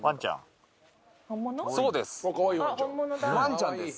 そうです。